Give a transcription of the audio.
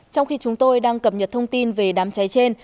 trong khi chúng tôi đang cập nhật thông tin về đám cháy trên